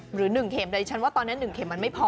หรือ๑เข็มแต่ดิฉันว่าตอนนี้๑เข็มมันไม่พอ